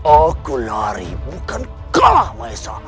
aku lari bukan kalah maesah